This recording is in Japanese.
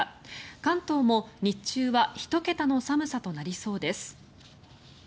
関東も日中は１桁の寒さとなりそうです。